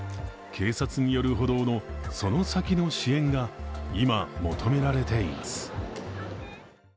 警察による補導のその先の支援が今、求められています。